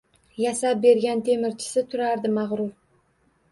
Yasab bergan temirchisi turardi mag’rur.